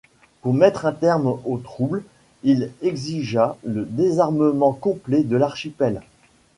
Pour mettre un terme aux troubles, il exigea le désarmement complet de l'archipel.